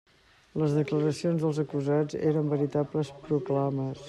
Les declaracions dels acusats eren veritables proclames.